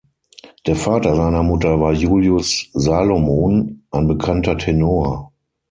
Der Vater seiner Mutter war Julius Salomon, ein bekannter Tenor.